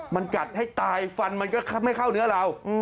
มันกัดให้ตายฟันมันก็ไม่เข้าเนื้อเรา